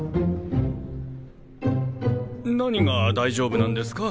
・何が大丈夫なんですか？